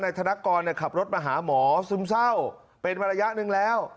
ธนกรขับรถมาหาหมอซึมเศร้าเป็นมาระยะหนึ่งแล้ว